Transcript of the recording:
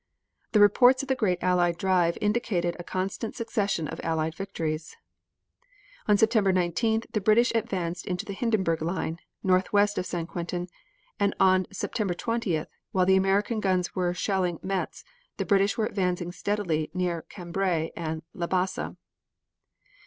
The reports of the great Allied drive indicated a constant succession of Allied victories. On September 19th, the British advanced into the Hindenburg line, northwest of St. Quentin, and on September 20th, while the American guns were shelling Metz, the British were advancing steadily near Cambrai and La Bassee.